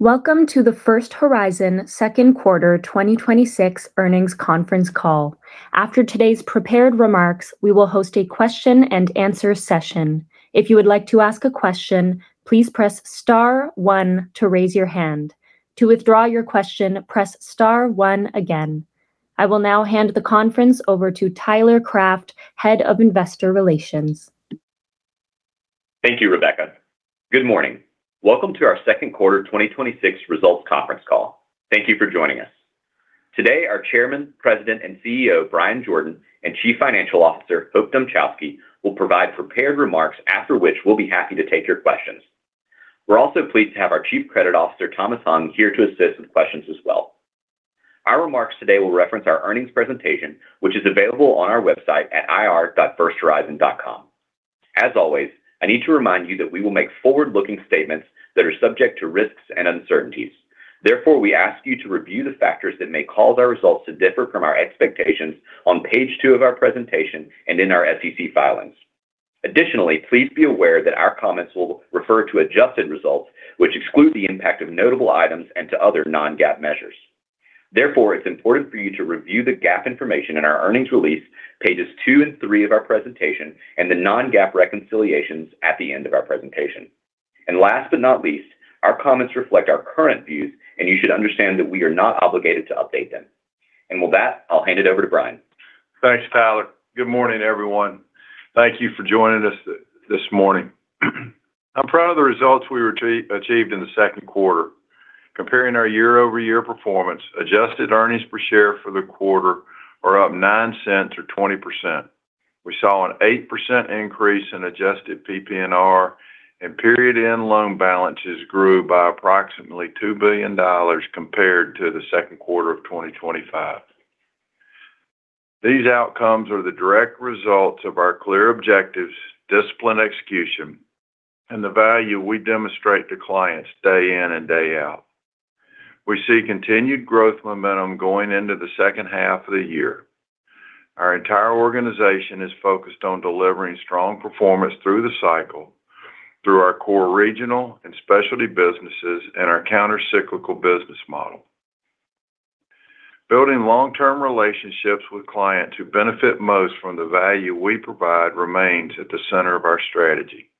Welcome to the First Horizon second quarter 2026 earnings conference call. After today's prepared remarks, we will host a question-and-answer session. If you would like to ask a question, please press star one to raise your hand. To withdraw your question, press star one again. I will now hand the conference over to Tyler Craft, Head of Investor Relations. Thank you, Rebecca. Good morning. Welcome to our second quarter 2026 results conference call. Thank you for joining us. Today, our Chairman, President, and CEO, Bryan Jordan, and Chief Financial Officer, Hope Dmuchowski, will provide prepared remarks, after which we'll be happy to take your questions. We're also pleased to have our Chief Credit Officer, Thomas Hung, here to assist with questions as well. Our remarks today will reference our earnings presentation, which is available on our website at ir.firsthorizon.com. As always, I need to remind you that we will make forward-looking statements that are subject to risks and uncertainties. Therefore, we ask you to review the factors that may cause our results to differ from our expectations on page two of our presentation and in our SEC filings. Additionally, please be aware that our comments will refer to adjusted results, which exclude the impact of notable items and to other non-GAAP measures. Therefore, it's important for you to review the GAAP information in our earnings release, pages two and three of our presentation, and the non-GAAP reconciliations at the end of our presentation. Last but not least, our comments reflect our current views, and you should understand that we are not obligated to update them. With that, I'll hand it over to Bryan. Thanks, Tyler. Good morning, everyone. Thank you for joining us this morning. I'm proud of the results we achieved in the second quarter. Comparing our year-over-year performance, adjusted earnings per share for the quarter are up $0.09 or 20%. We saw an 8% increase in adjusted PPNR, and period-end loan balances grew by approximately $2 billion compared to the second quarter of 2025. These outcomes are the direct results of our clear objectives, disciplined execution, and the value we demonstrate to clients day in and day out. We see continued growth momentum going into the second half of the year. Our entire organization is focused on delivering strong performance through the cycle through our core regional and specialty businesses and our counter-cyclical business model. Building long-term relationships with clients who benefit most from the value we provide remains at the center of our strategy.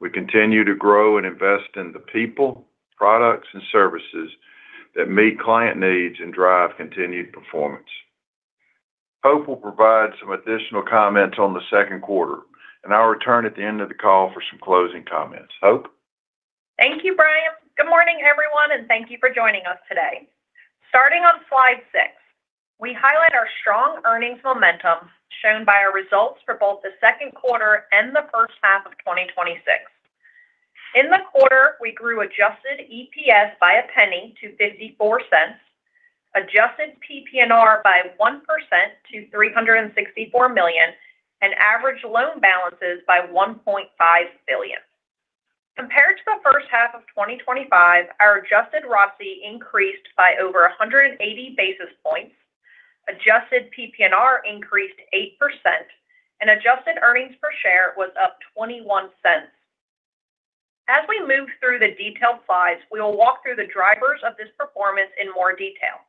We continue to grow and invest in the people, products, and services that meet client needs and drive continued performance. Hope will provide some additional comments on the second quarter, and I'll return at the end of the call for some closing comments. Hope? Thank you, Bryan. Good morning, everyone, and thank you for joining us today. Starting on slide six, we highlight our strong earnings momentum shown by our results for both the second quarter and the first half of 2026. In the quarter, we grew adjusted EPS by $0.01 to $0.54, adjusted PPNR by 1% to $364 million, and average loan balances by $1.5 billion. Compared to the first half of 2025, our adjusted ROCE increased by over 180 basis points, adjusted PPNR increased 8%, and adjusted earnings per share was up $0.21. As we move through the detailed slides, we will walk through the drivers of this performance in more detail.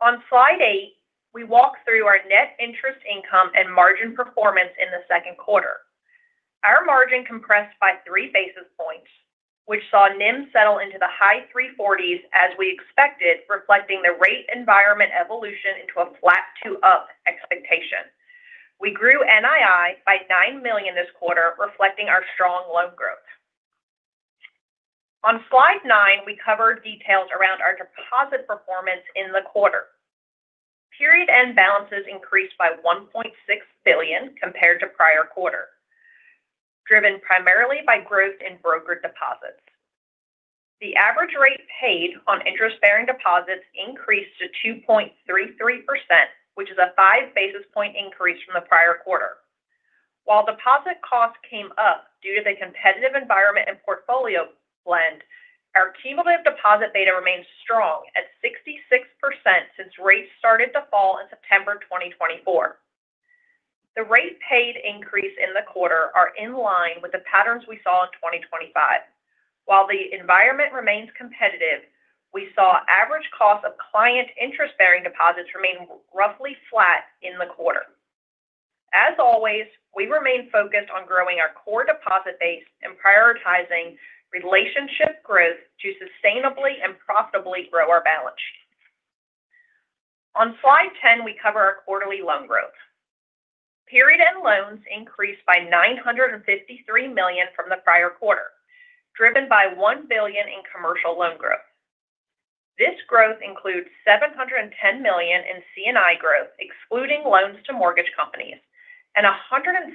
On slide eight, we walk through our net interest income and margin performance in the second quarter. Our margin compressed by three basis points, which saw NIM settle into the high 340s as we expected, reflecting the rate environment evolution into a flat to up expectation. We grew NII by $9 million this quarter, reflecting our strong loan growth. On slide nine, we cover details around our deposit performance in the quarter. Period-end balances increased by $1.6 billion compared to prior quarter, driven primarily by growth in broker deposits. The average rate paid on interest-bearing deposits increased to 2.33%, which is a five basis point increase from the prior quarter. While deposit costs came up due to the competitive environment and portfolio blend, our cumulative deposit beta remains strong at 66% since rates started to fall in September 2024. The rate paid increase in the quarter are in line with the patterns we saw in 2025. While the environment remains competitive, we saw average cost of client interest-bearing deposits remain roughly flat in the quarter. As always, we remain focused on growing our core deposit base and prioritizing relationship growth to sustainably and profitably grow our balance sheet. On slide 10, we cover our quarterly loan growth. Period-end loans increased by $953 million from the prior quarter, driven by $1 billion in commercial loan growth. This growth includes $710 million in C&I growth, excluding loans to mortgage companies, and $175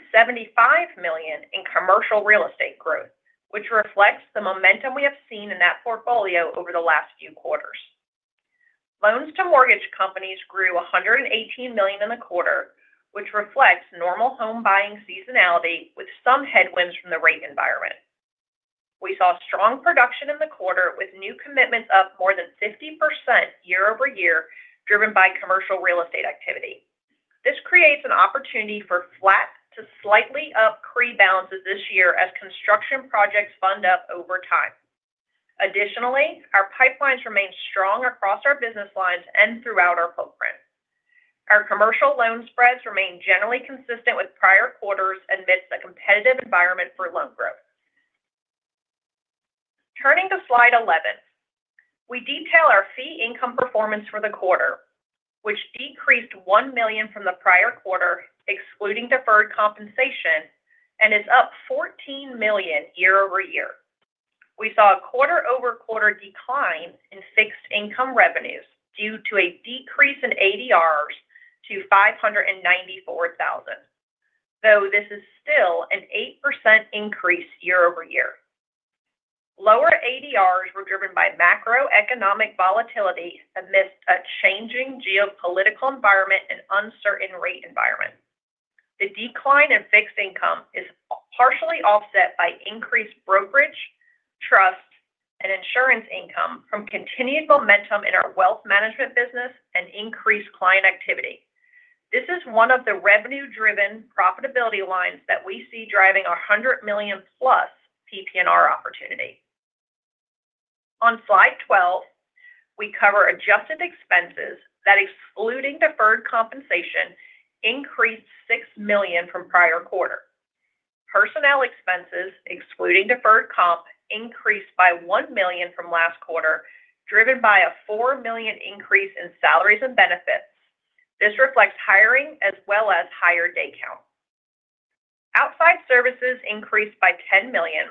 million in commercial real estate growth, which reflects the momentum we have seen in that portfolio over the last few quarters. Loans to mortgage companies grew $118 million in the quarter, which reflects normal home buying seasonality with some headwinds from the rate environment. We saw strong production in the quarter with new commitments up more than 50% year-over-year, driven by commercial real estate activity. This creates an opportunity for flat to slightly up pre-balances this year as construction projects fund up over time. Additionally, our pipelines remain strong across our business lines and throughout our footprint. Our commercial loan spreads remain generally consistent with prior quarters amidst a competitive environment for loan growth. Turning to slide 11, we detail our fee income performance for the quarter, which decreased $1 million from the prior quarter, excluding deferred compensation, and is up $14 million year-over-year. We saw a quarter-over-quarter decline in fixed income revenues due to a decrease in ADRs to 594,000. Though this is still an 8% increase year-over-year. Lower ADRs were driven by macroeconomic volatility amidst a changing geopolitical environment and uncertain rate environment. The decline in fixed income is partially offset by increased brokerage, trust, and insurance income from continued momentum in our wealth management business and increased client activity. This is one of the revenue-driven profitability lines that we see driving $100+ million PPNR opportunity. On slide 12, we cover adjusted expenses that, excluding deferred compensation, increased $6 million from prior quarter. Personnel expenses, excluding deferred comp, increased by $1 million from last quarter, driven by a $4 million increase in salaries and benefits. This reflects hiring as well as higher day count. Outside services increased by $10 million,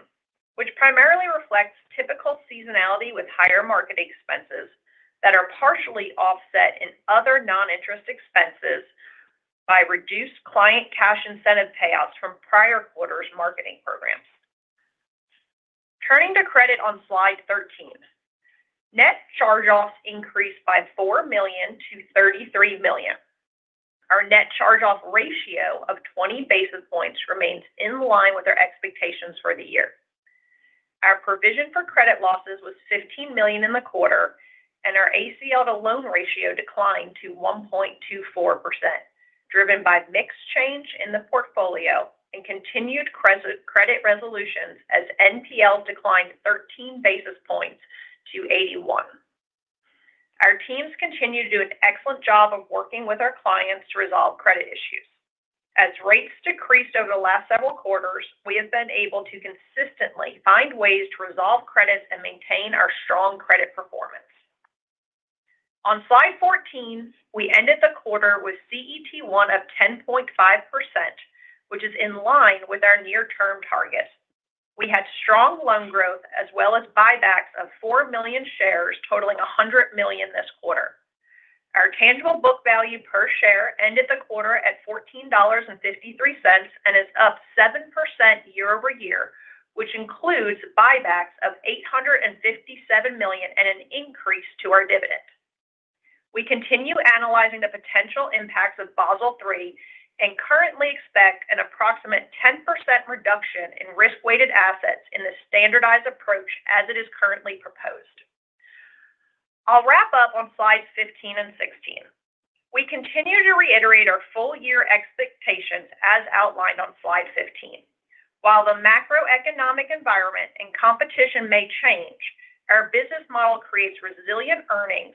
which primarily reflects typical seasonality with higher marketing expenses that are partially offset in other non-interest expenses by reduced client cash incentive payouts from prior quarters marketing programs. Turning to credit on slide 13, net charge-offs increased by $4 million to $33 million. Our net charge-off ratio of 20 basis points remains in line with our expectations for the year. Our provision for credit losses was $15 million in the quarter, and our ACL to loan ratio declined to 1.24%, driven by mix change in the portfolio and continued credit resolutions as NPLs declined 13 basis points to 81. Our teams continue to do an excellent job of working with our clients to resolve credit issues. As rates decreased over the last several quarters, we have been able to consistently find ways to resolve credits and maintain our strong credit performance. On slide 14, we ended the quarter with CET1 of 10.5%, which is in line with our near-term target. We had strong loan growth as well as buybacks of 4 million shares totaling $100 million this quarter. Our tangible book value per share ended the quarter at $14.53 and is up 7% year-over-year, which includes buybacks of $857 million and an increase to our dividend. We continue analyzing the potential impacts of Basel III and currently expect an approximate 10% reduction in risk-weighted assets in the standardized approach as it is currently proposed. I'll wrap up on slides 15 and 16. We continue to reiterate our full year expectations as outlined on slide 15. While the macroeconomic environment and competition may change, our business model creates resilient earnings,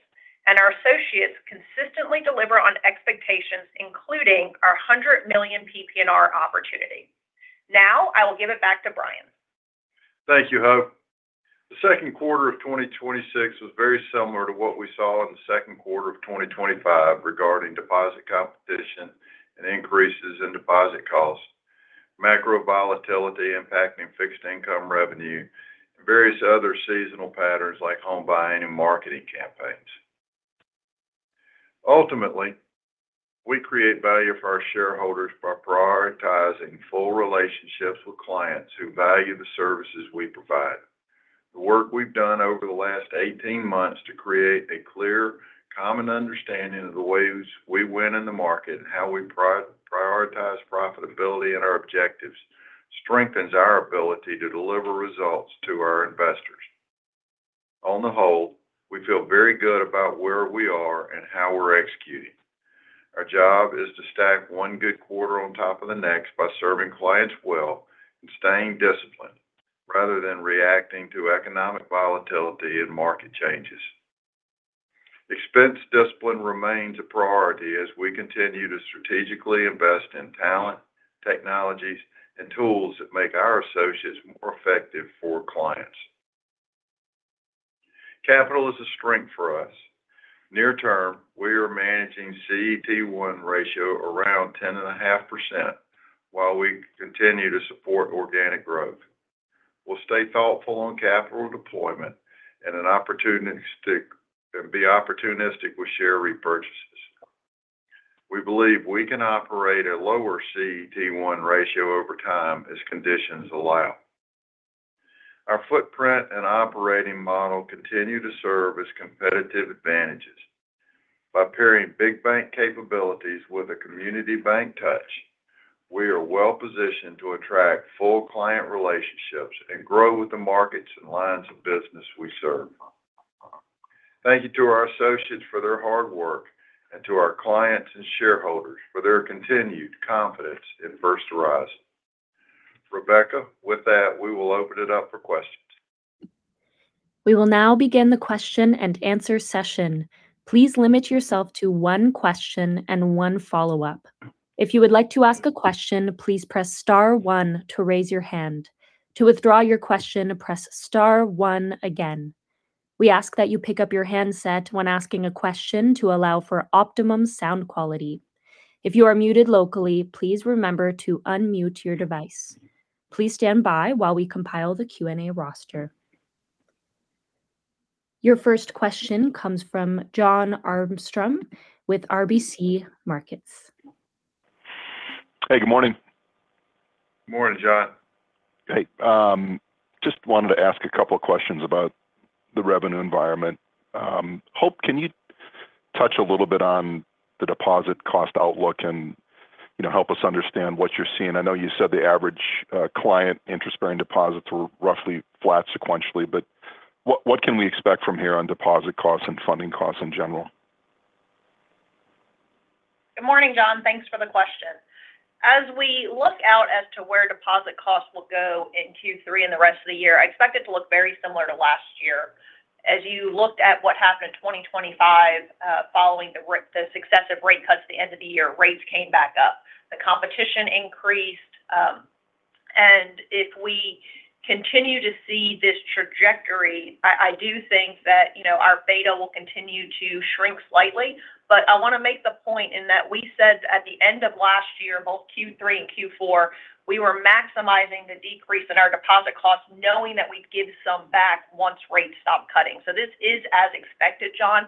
and our associates consistently deliver on expectations, including our $100 million PPNR opportunity. Now, I will give it back to Bryan. Thank you, Hope. The second quarter of 2026 was very similar to what we saw in the second quarter of 2025 regarding deposit competition and increases in deposit costs, macro volatility impacting fixed income revenue, and various other seasonal patterns like home buying and marketing campaigns. Ultimately, we create value for our shareholders by prioritizing full relationships with clients who value the services we provide. The work we've done over the last 18 months to create a clear, common understanding of the ways we win in the market and how we prioritize profitability and our objectives strengthens our ability to deliver results to our investors. On the whole, we feel very good about where we are and how we're executing. Our job is to stack one good quarter on top of the next by serving clients well and staying disciplined, rather than reacting to economic volatility and market changes. Expense discipline remains a priority as we continue to strategically invest in talent, technologies, and tools that make our associates more effective for clients. Capital is a strength for us. Near term, we are managing CET1 ratio around 10.5% while we continue to support organic growth. We'll stay thoughtful on capital deployment and be opportunistic with share repurchases. We believe we can operate a lower CET1 ratio over time as conditions allow. Our footprint and operating model continue to serve as competitive advantages. By pairing big bank capabilities with a community bank touch, we are well-positioned to attract full client relationships and grow with the markets and lines of business we serve. Thank you to our associates for their hard work and to our clients and shareholders for their continued confidence in First Horizon. Rebecca, with that, we will open it up for questions. We will now begin the question-and-answer session. Please limit yourself to one question and one follow-up. If you would like to ask a question, please press star one to raise your hand. To withdraw your question, press star one again. We ask that you pick up your handset when asking a question to allow for optimum sound quality. If you are muted locally, please remember to unmute your device. Please stand by while we compile the Q&A roster. Your first question comes from Jon Arfstrom with RBC Markets. Hey, good morning. Morning, Jon. Hey. Just wanted to ask two questions about the revenue environment. Hope, can you touch a little bit on the deposit cost outlook and help us understand what you're seeing? I know you said the average client interest bearing deposits were roughly flat sequentially. What can we expect from here on deposit costs and funding costs in general? Good morning, Jon. Thanks for the question. As we look out as to where deposit costs will go in Q3 and the rest of the year, I expect it to look very similar to last year. As you looked at what happened in 2025, following the successive rate cuts at the end of the year, rates came back up. The competition increased. If we continue to see this trajectory, I do think that our beta will continue to shrink slightly. I want to make the point in that we said at the end of last year, both Q3 and Q4, we were maximizing the decrease in our deposit costs, knowing that we'd give some back once rates stop cutting. This is as expected, Jon.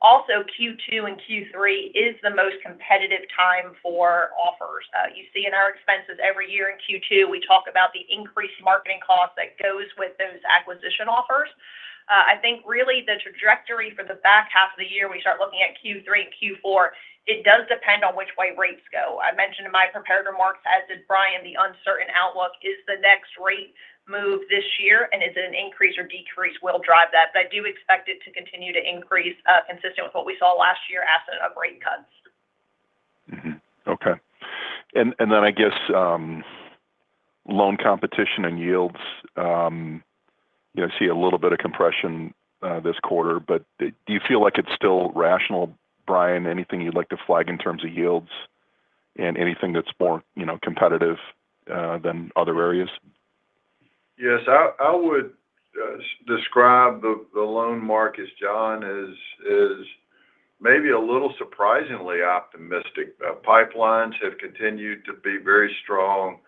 Also, Q2 and Q3 is the most competitive time for offers. You see in our expenses every year in Q2, we talk about the increased marketing cost that goes with those acquisition offers. I think really the trajectory for the back half of the year, we start looking at Q3 and Q4, it does depend on which way rates go. I mentioned in my prepared remarks, as did Bryan, the uncertain outlook. Is the next rate move this year, and is it an increase or decrease will drive that. I do expect it to continue to increase, consistent with what we saw last year absent of rate cuts. Mm-hmm. Okay. I guess loan competition and yields, I see a little bit of compression this quarter. Do you feel like it's still rational, Bryan? Anything you'd like to flag in terms of yields and anything that's more competitive than other areas? Yes. I would describe the loan market, Jon, as maybe a little surprisingly optimistic. Pipelines have continued to be very strong,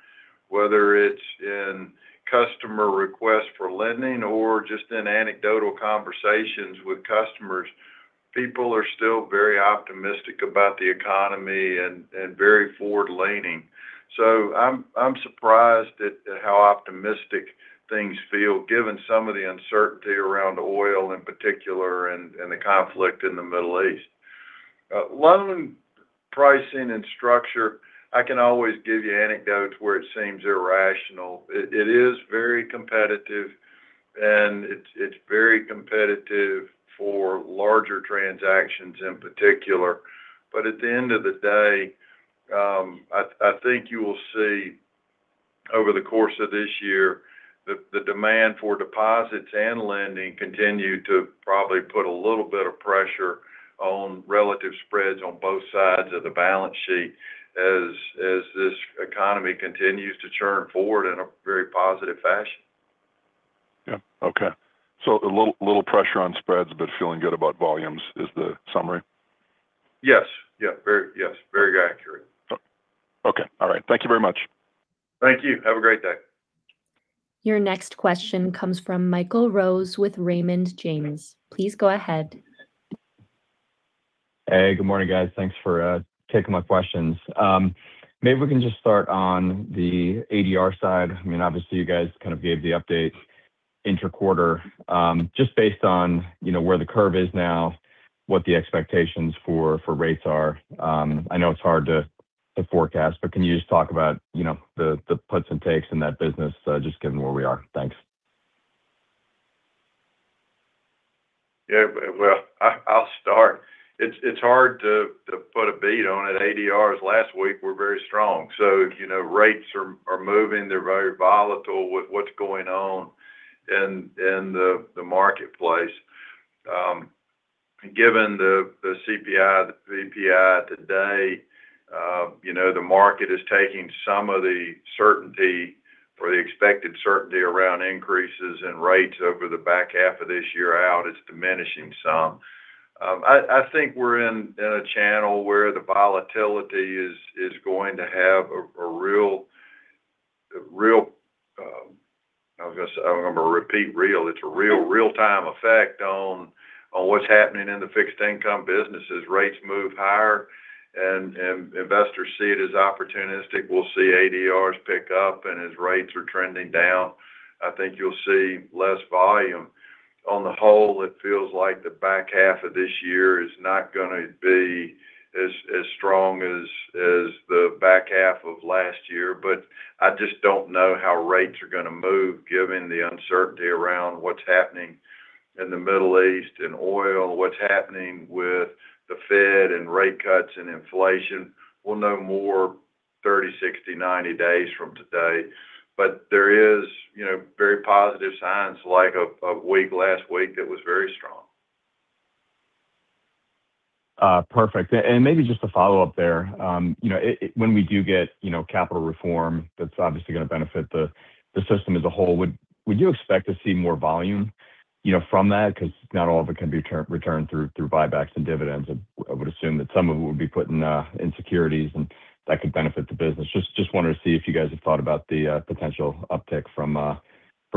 whether it's in customer requests for lending or just in anecdotal conversations with customers. People are still very optimistic about the economy and very forward-leaning. I'm surprised at how optimistic things feel given some of the uncertainty around oil in particular and the conflict in the Middle East. Loan pricing and structure, I can always give you anecdotes where it seems irrational. It is very competitive, and it's very competitive for larger transactions in particular. At the end of the day, I think you will see over the course of this year that the demand for deposits and lending continue to probably put a little bit of pressure on relative spreads on both sides of the balance sheet as this economy continues to churn forward in a very positive fashion. Yeah. Okay. A little pressure on spreads, but feeling good about volumes is the summary. Yes. Very accurate. Okay. All right. Thank you very much. Thank you. Have a great day. Your next question comes from Michael Rose with Raymond James. Please go ahead. Hey, good morning, guys. Thanks for taking my questions. Maybe we can just start on the ADR side. Obviously, you guys gave the update inter-quarter. Just based on where the curve is now, what the expectations for rates are, I know it's hard to forecast, but can you just talk about the puts and takes in that business just given where we are? Thanks. Yeah. Well, I'll start. It's hard to put a beat on it. ADRs last week were very strong. Rates are moving. They're very volatile with what's going on in the marketplace. Given the CPI, the PPI today, the market is taking some of the certainty or the expected certainty around increases in rates over the back half of this year out. It's diminishing some. I think we're in a channel where the volatility is going to have a real, I was going to say, I'm going to repeat real. It's a real time effect on what's happening in the fixed income business. As rates move higher and investors see it as opportunistic, we'll see ADRs pick up. As rates are trending down, I think you'll see less volume. On the whole, it feels like the back half of this year is not going to be as strong as the back half of last year. I just don't know how rates are going to move given the uncertainty around what's happening in the Middle East, in oil, what's happening with the Fed and rate cuts and inflation. We'll know more 30, 60, 90 days from today. There is very positive signs, like a week last week that was very strong. Perfect. Maybe just to follow up there, when we do get capital reform, that's obviously going to benefit the system as a whole. Would you expect to see more volume from that? Not all of it can be returned through buybacks and dividends. I would assume that some of it would be put in securities and that could benefit the business. Just wanted to see if you guys have thought about the potential uptick from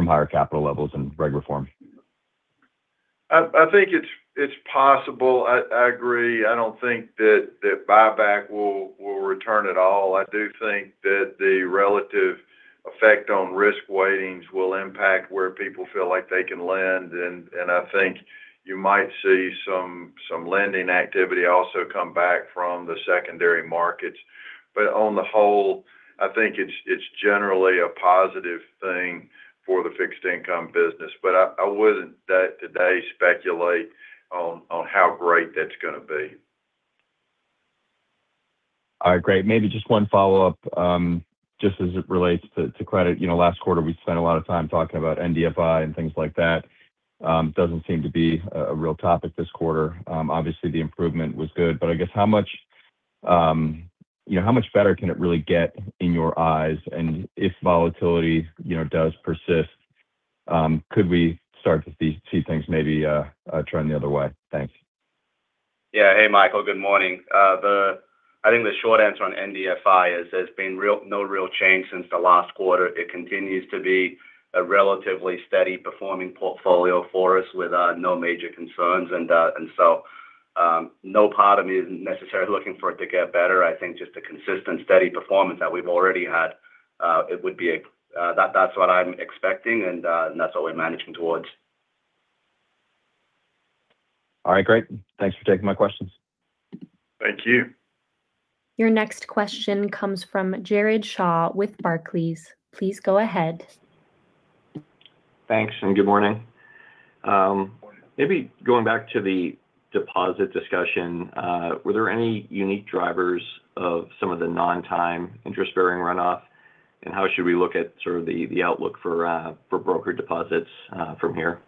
higher capital levels and reg reform. I think it's possible. I agree. I don't think that buyback will return at all. I do think that the relative effect on risk weightings will impact where people feel like they can lend. I think you might see some lending activity also come back from the secondary markets. On the whole, I think it's generally a positive thing for the fixed income business. I wouldn't today speculate on how great that's going to be. All right, great. Maybe just one follow-up, just as it relates to credit. Last quarter, we spent a lot of time talking about NDFI and things like that. Doesn't seem to be a real topic this quarter. Obviously, the improvement was good. I guess how much better can it really get in your eyes? If volatility does persist, could we start to see things maybe trend the other way? Thanks. Yeah. Hey, Michael. Good morning. I think the short answer on NDFI is there's been no real change since the last quarter. It continues to be a relatively steady performing portfolio for us with no major concerns. No part of me is necessarily looking for it to get better. I think just the consistent steady performance that we've already had, that's what I'm expecting and that's what we're managing towards. All right, great. Thanks for taking my questions. Thank you. Your next question comes from Jared Shaw with Barclays. Please go ahead. Thanks, good morning. Maybe going back to the deposit discussion, were there any unique drivers of some of the non-time interest bearing runoff? How should we look at sort of the outlook for broker deposits from here?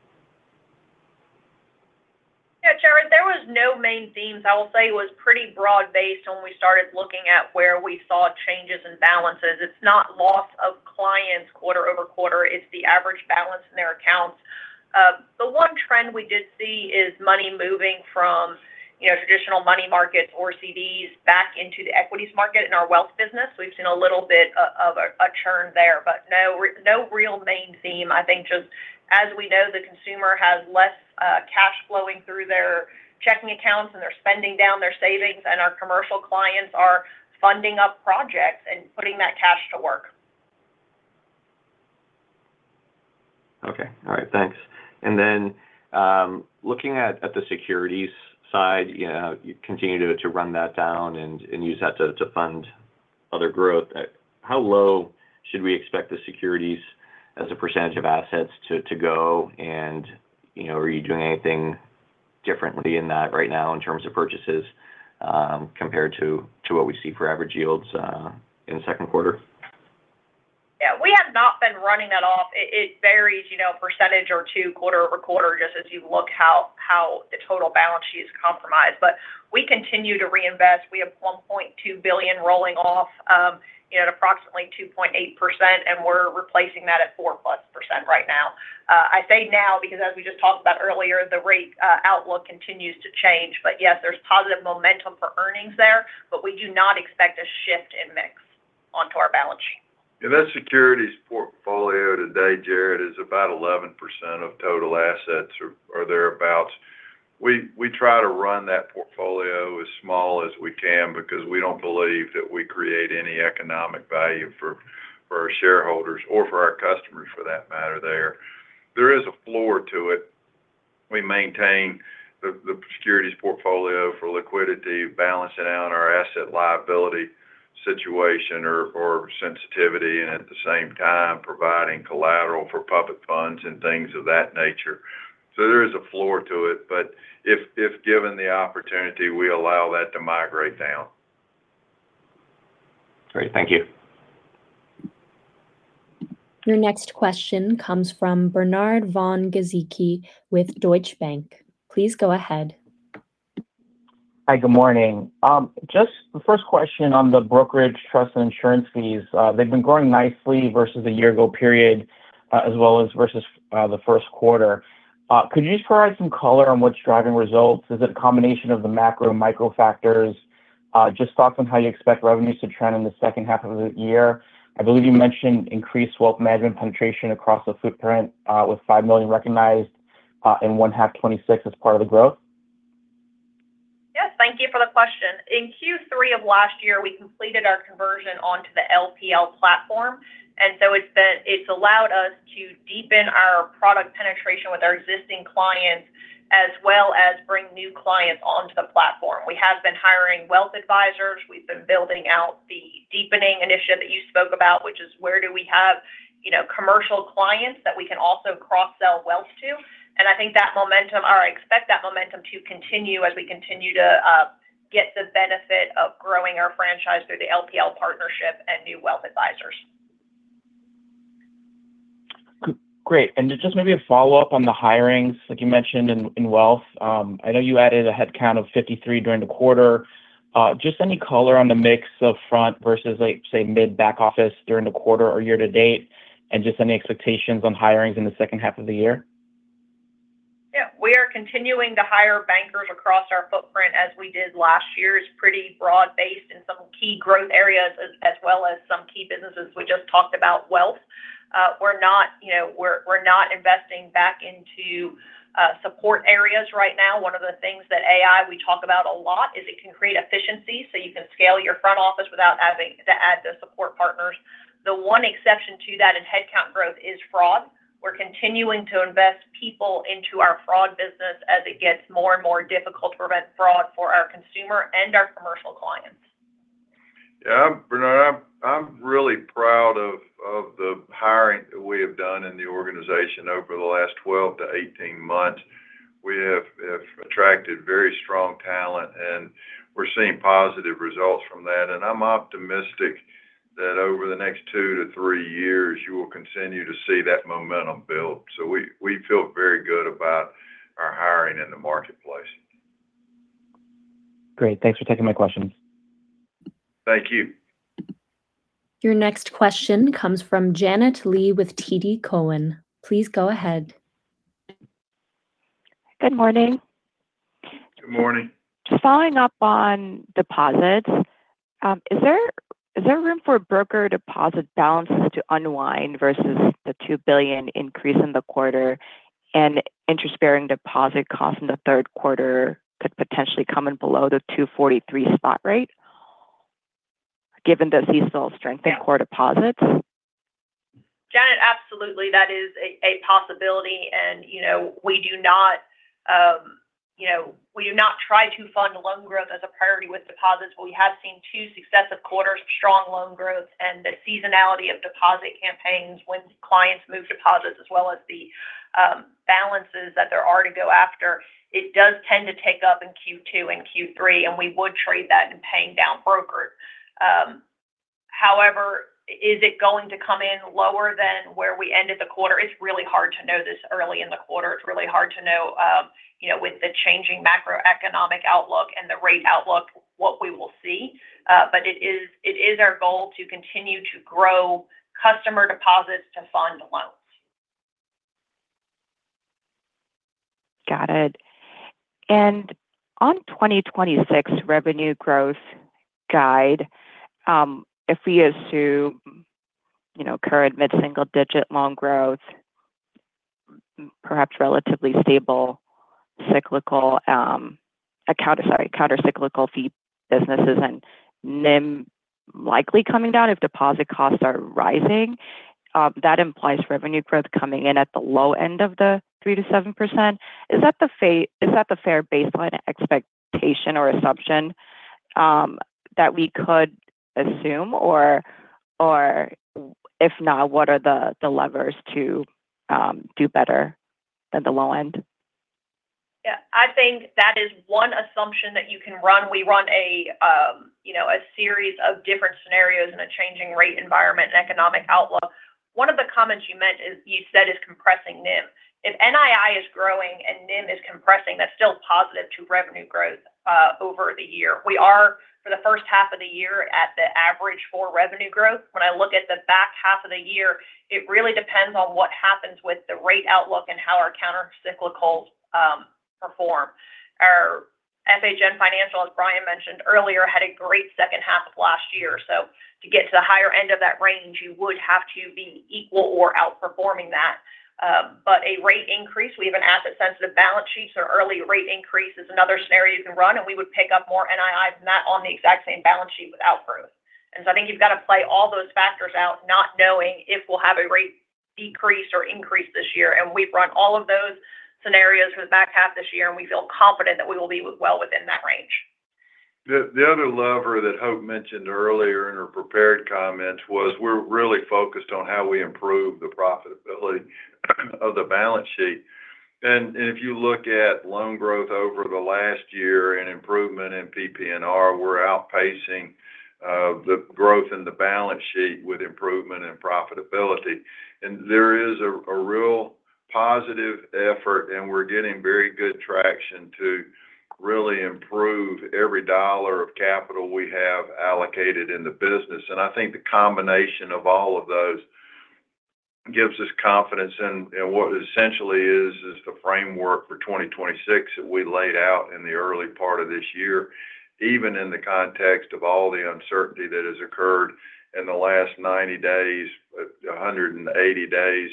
Yeah, Jared, there was no main themes. I will say it was pretty broad-based when we started looking at where we saw changes in balances. It's not loss of clients quarter-over-quarter, it's the average balance in their accounts. The one trend we did see is money moving from traditional money markets or CDs back into the equities market in our wealth business. We've seen a little bit of a churn there, no real main theme. I think just as we know, the consumer has less cash flowing through their checking accounts and they're spending down their savings, our commercial clients are funding up projects and putting that cash to work. Okay. All right, thanks. Looking at the securities side, you continue to run that down and use that to fund other growth. How low should we expect the securities as a percentage of assets to go? Are you doing anything differently in that right now in terms of purchases compared to what we see for average yields in the second quarter? Yeah, we have not been running that off. It varies a percentage or two quarter-over-quarter just as you look how the total balance sheet is compromised. We continue to reinvest. We have $1.2 billion rolling off at approximately 2.8%, and we're replacing that at 4%+ right now. I say now because as we just talked about earlier, the rate outlook continues to change. Yes, there's positive momentum for earnings there, we do not expect a shift in mix onto our balance sheet. That securities portfolio today, Jared, is about 11% of total assets or thereabouts. We try to run that portfolio as small as we can because we don't believe that we create any economic value for our shareholders or for our customers for that matter there. There is a floor to it. We maintain the securities portfolio for liquidity, balancing out our asset liability situation or sensitivity, and at the same time providing collateral for public funds and things of that nature. There is a floor to it, if given the opportunity, we allow that to migrate down. Great. Thank you. Your next question comes from Bernard von Gizycki with Deutsche Bank. Please go ahead. Hi, good morning. The first question on the brokerage trust and insurance fees. They've been growing nicely versus a year ago period as well as versus the first quarter. Could you just provide some color on what's driving results? Is it a combination of the macro micro factors? Thoughts on how you expect revenues to trend in the second half of the year. I believe you mentioned increased wealth management penetration across the footprint with $5 million recognized in one half 2026 as part of the growth. Yes, thank you for the question. In Q3 of last year, we completed our conversion onto the LPL platform, it's allowed us to deepen our product penetration with our existing clients as well as bring new clients onto the platform. We have been hiring wealth advisors. We've been building out deepening initiative that you spoke about, which is where do we have commercial clients that we can also cross-sell wealth to? I expect that momentum to continue as we continue to get the benefit of growing our franchise through the LPL partnership and new wealth advisors. Great. Maybe a follow-up on the hirings, like you mentioned in wealth. I know you added a headcount of 53 during the quarter. Any color on the mix of front versus, say, mid, back office during the quarter or year to date, any expectations on hirings in the second half of the year? Yeah. We are continuing to hire bankers across our footprint as we did last year. It's pretty broad-based in some key growth areas as well as some key businesses. We just talked about wealth. We're not investing back into support areas right now. One of the things that AI we talk about a lot is it can create efficiency, so you can scale your front office without having to add the support partners. The one exception to that in headcount growth is fraud. We're continuing to invest people into our fraud business as it gets more and more difficult to prevent fraud for our consumer and our commercial clients. Yeah, Bernard, I'm really proud of the hiring that we have done in the organization over the last 12-18 months. We have attracted very strong talent, and we're seeing positive results from that. I'm optimistic that over the next two to three years, you will continue to see that momentum build. We feel very good about our hiring in the marketplace. Great. Thanks for taking my questions. Thank you. Your next question comes from Janet Lee with TD Cowen. Please go ahead. Good morning. Good morning. Just following up on deposits. Is there room for broker deposit balances to unwind versus the $2 billion increase in the quarter and interest-bearing deposit costs in the third quarter could potentially come in below the 243 spot rate, given the seasonal strength in core deposits? Janet, absolutely. That is a possibility. We do not try to fund loan growth as a priority with deposits. We have seen two successive quarters of strong loan growth and the seasonality of deposit campaigns when clients move deposits, as well as the balances that they're already go after. It does tend to take up in Q2 and Q3, and we would trade that in paying down brokers. However, is it going to come in lower than where we ended the quarter? It's really hard to know this early in the quarter. It's really hard to know with the changing macroeconomic outlook and the rate outlook, what we will see. It is our goal to continue to grow customer deposits to fund loans. Got it. On 2026 revenue growth guide, if we assume current mid-single digit loan growth, perhaps relatively stable countercyclical fee businesses and NIM likely coming down if deposit costs are rising, that implies revenue growth coming in at the low end of the 3%-7%. Is that the fair baseline expectation or assumption that we could assume? If not, what are the levers to do better than the low end? Yeah, I think that is one assumption that you can run. We run a series of different scenarios in a changing rate environment and economic outlook. One of the comments you said is compressing NIM. If NII is growing and NIM is compressing, that's still positive to revenue growth over the year. We are, for the first half of the year, at the average for revenue growth. When I look at the back half of the year, it really depends on what happens with the rate outlook and how our countercyclicals perform. Our FHN Financial, as Bryan mentioned earlier, had a great second half of last year. To get to the higher end of that range, you would have to be equal or outperforming that. A rate increase, we have an asset-sensitive balance sheet. Early rate increase is another scenario you can run, and we would pick up more NII than that on the exact same balance sheet with outgrowth. I think you've got to play all those factors out, not knowing if we'll have a rate decrease or increase this year. We've run all of those scenarios for the back half this year, and we feel confident that we will be well within that range. The other lever that Hope mentioned earlier in her prepared comments was we're really focused on how we improve the profitability of the balance sheet. If you look at loan growth over the last year and improvement in PPNR, we're outpacing the growth in the balance sheet with improvement in profitability. There is a real positive effort, and we're getting very good traction to really improve every dollar of capital we have allocated in the business. I think the combination of all of those gives us confidence in what essentially is the framework for 2026 that we laid out in the early part of this year. Even in the context of all the uncertainty that has occurred in the last 90 days, 180 days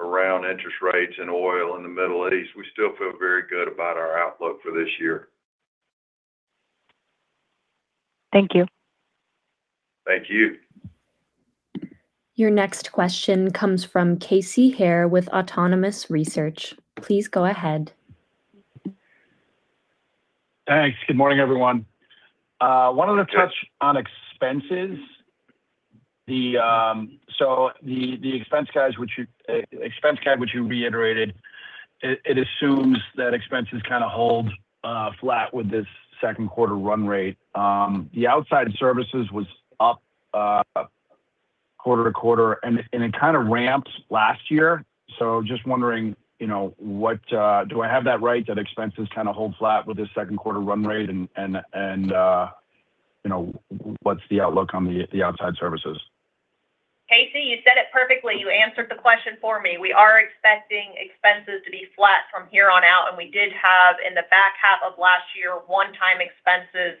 around interest rates and oil in the Middle East, we still feel very good about our outlook for this year. Thank you. Thank you. Your next question comes from Casey Haire with Autonomous Research. Please go ahead. Thanks. Good morning, everyone. Wanted to touch on expenses. The expense guide which you reiterated, it assumes that expenses kind of hold flat with this second quarter run rate. The outside services was up quarter-over-quarter, and it kind of ramped last year. Just wondering, do I have that right, that expenses kind of hold flat with this second quarter run rate and what's the outlook on the outside services? Casey, you said it perfectly. You answered the question for me. We are expecting expenses to be flat from here on out. We did have, in the back half of last year, one-time expenses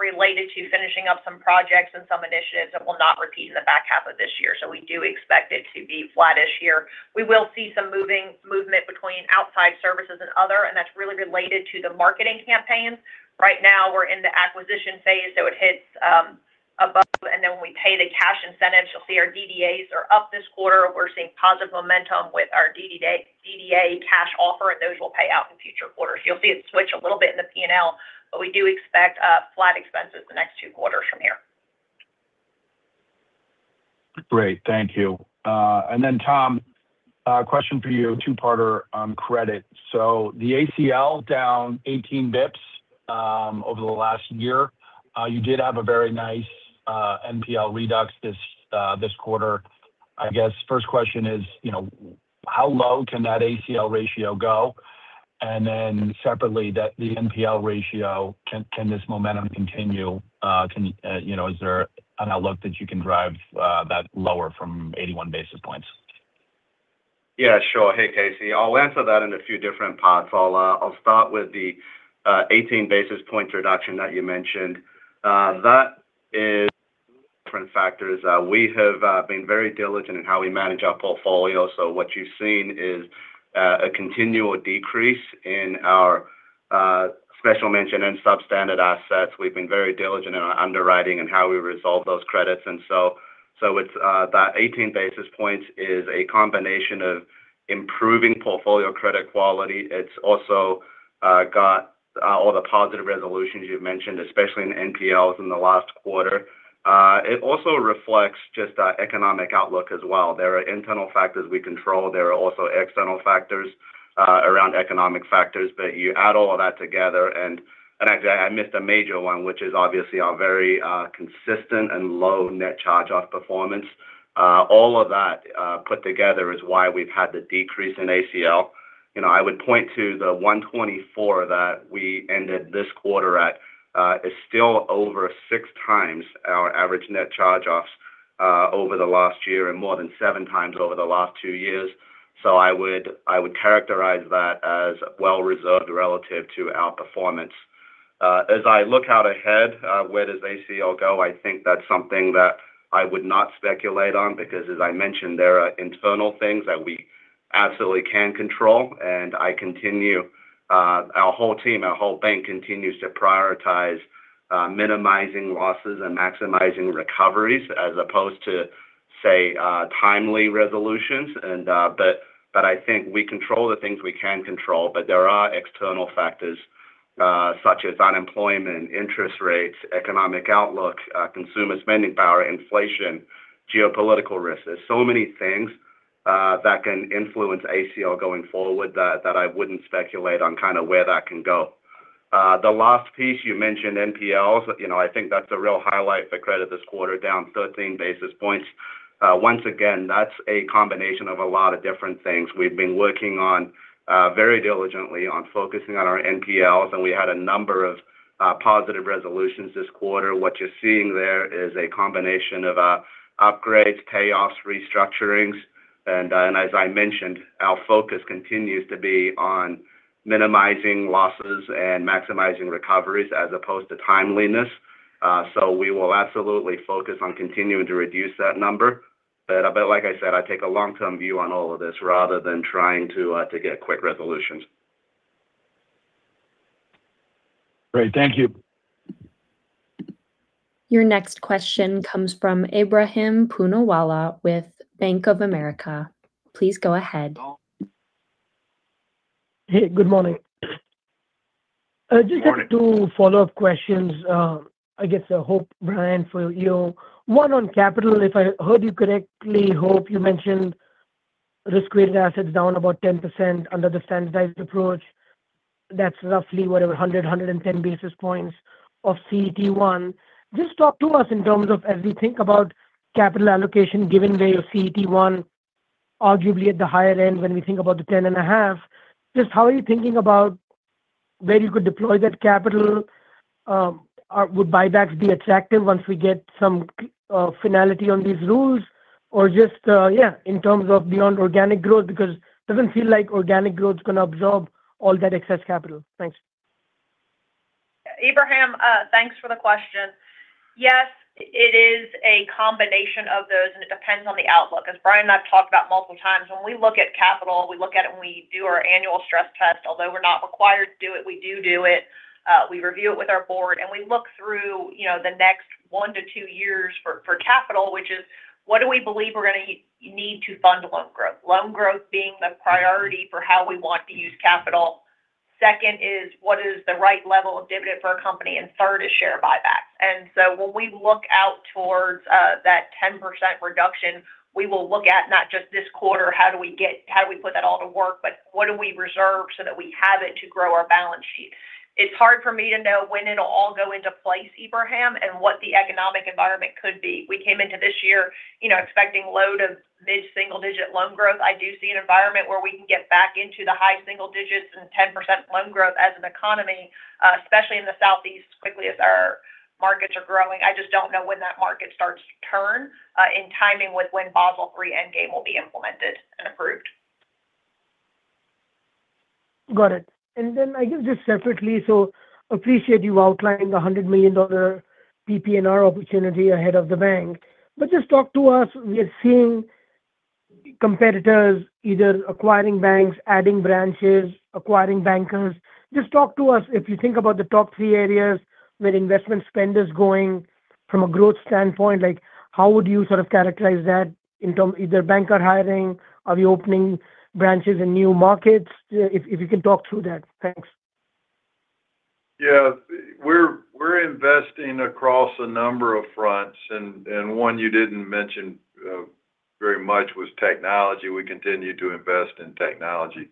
related to finishing up some projects and some initiatives that will not repeat in the back half of this year. We do expect it to be flattish here. We will see some movement between outside services and other, that's really related to the marketing campaigns. Right now, we're in the acquisition phase, it hits above, then when we pay the cash incentives, you'll see our DDAs are up this quarter. We're seeing positive momentum with our DDA cash offer, and those will pay out in future quarters. You'll see it switch a little bit in the P&L, we do expect flat expenses the next two quarters from here. Great, thank you. Tom, question for you, two-parter on credit. The ACL down 18 basis points over the last year. You did have a very nice NPL redux this quarter. I guess first question is, how low can that ACL ratio go? Separately, the NPL ratio, can this momentum continue? Is there an outlook that you can drive that lower from 81 basis points? Yeah, sure. Hey, Casey. I'll answer that in a few different parts. I'll start with the 18 basis points reduction that you mentioned. That is different factors. We have been very diligent in how we manage our portfolio. What you've seen is a continual decrease in our special mention and substandard assets. We've been very diligent in our underwriting and how we resolve those credits. It's that 18 basis points is a combination of improving portfolio credit quality. It's also got all the positive resolutions you've mentioned, especially in NPLs in the last quarter. It also reflects just our economic outlook as well. There are internal factors we control. There are also external factors around economic factors. You add all of that together, actually, I missed a major one, which is obviously our very consistent and low net charge-off performance. All of that put together is why we've had the decrease in ACL. I would point to the 124 that we ended this quarter at is still over six times our average net charge-offs over the last year and more than seven times over the last two years. I would characterize that as well reserved relative to our performance. As I look out ahead, where does ACL go? I think that's something that I would not speculate on because as I mentioned, there are internal things that we absolutely can control. Our whole team, our whole bank continues to prioritize minimizing losses and maximizing recoveries as opposed to, say, timely resolutions. I think we control the things we can control. There are external factors such as unemployment, interest rates, economic outlook, consumer spending power, inflation, geopolitical risks. There's so many things that can influence ACL going forward that I wouldn't speculate on where that can go. The last piece you mentioned, NPLs, I think that's a real highlight for credit this quarter, down 13 basis points. Once again, that's a combination of a lot of different things. We've been working on very diligently on focusing on our NPLs, and we had a number of positive resolutions this quarter. What you're seeing there is a combination of upgrades, payoffs, restructurings. As I mentioned, our focus continues to be on minimizing losses and maximizing recoveries as opposed to timeliness. We will absolutely focus on continuing to reduce that number. Like I said, I take a long-term view on all of this rather than trying to get quick resolutions. Great. Thank you. Your next question comes from Ebrahim Poonawala with Bank of America. Please go ahead. Hey, good morning. Good morning. Just have two follow-up questions, I guess Hope, Bryan, for you. One on capital. If I heard you correctly, Hope, you mentioned risk-graded assets down about 10% under the standardized approach. That's roughly, whatever, 100, 110 basis points of CET1. Just talk to us in terms of, as we think about capital allocation given where your CET1 arguably at the higher end when we think about the 10.5. Just how are you thinking about where you could deploy that capital? Would buybacks be attractive once we get some finality on these rules? Or just, yeah, in terms of beyond organic growth, because it doesn't feel like organic growth is going to absorb all that excess capital. Thanks. Ebrahim, thanks for the question. Yes, it is a combination of those, it depends on the outlook. As Bryan and I've talked about multiple times, when we look at capital, we look at it when we do our annual stress test. Although we're not required to do it, we do do it. We review it with our board, we look through the next one to two years for capital, which is what do we believe we're going to need to fund loan growth? Loan growth being the priority for how we want to use capital. Second is what is the right level of dividend for a company, third is share buybacks. When we look out towards that 10% reduction, we will look at not just this quarter, how do we put that all to work, but what do we reserve so that we have it to grow our balance sheet. It's hard for me to know when it'll all go into place, Ebrahim, and what the economic environment could be. We came into this year expecting low to mid-single digit loan growth. I do see an environment where we can get back into the high single digits and 10% loan growth as an economy, especially in the Southeast, as quickly as our markets are growing. I just don't know when that market starts to turn in timing with when Basel III endgame will be implemented and approved. Got it. Appreciate you outlining the $100 million PPNR opportunity ahead of the bank. Talk to us, we are seeing competitors either acquiring banks, adding branches, acquiring bankers. Talk to us, if you think about the top three areas where investment spend is going from a growth standpoint, how would you characterize that in terms either banker hiring? Are you opening branches in new markets? If you can talk through that. Thanks. Yeah. We're investing across a number of fronts, and one you didn't mention very much was technology. We continue to invest in technology.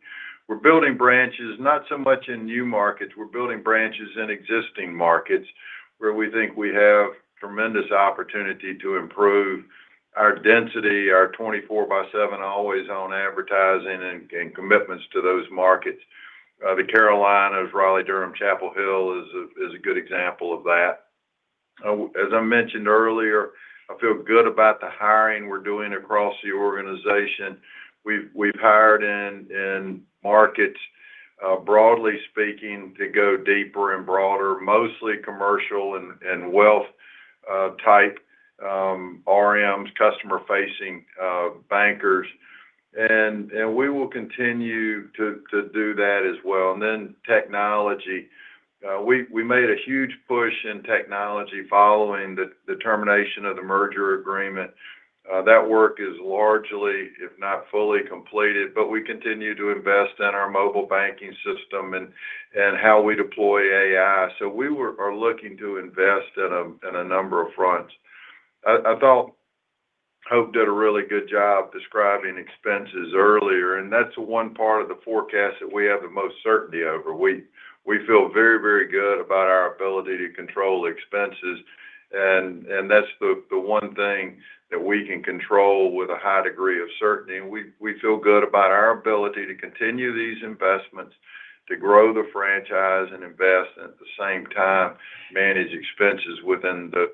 We're building branches, not so much in new markets. We're building branches in existing markets where we think we have tremendous opportunity to improve our density, our 24/7 always-on advertising, and commitments to those markets. The Carolinas, Raleigh, Durham, Chapel Hill, is a good example of that. As I mentioned earlier, I feel good about the hiring we're doing across the organization. We've hired in markets, broadly speaking, to go deeper and broader, mostly commercial and wealth type RMs, customer-facing bankers, and we will continue to do that as well. Technology. We made a huge push in technology following the termination of the merger agreement. That work is largely, if not fully, completed. We continue to invest in our mobile banking system and how we deploy AI, so we are looking to invest in a number of fronts. I thought Hope did a really good job describing expenses earlier. That's the one part of the forecast that we have the most certainty over. We feel very good about our ability to control expenses. That's the one thing that we can control with a high degree of certainty. We feel good about our ability to continue these investments, to grow the franchise and invest, and at the same time manage expenses within the